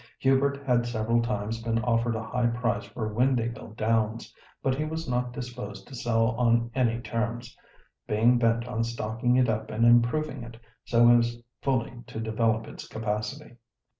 Hubert had several times been offered a high price for Windāhgil Downs, but he was not disposed to sell on any terms, being bent on stocking it up and improving it, so as fully to develop its capacity.